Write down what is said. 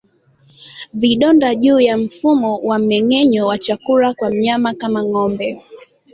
Vidonda juu ya mfumo wa mmengenyo wa chakula kwa mnyama kama ngombe